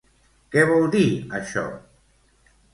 Què vol dir això?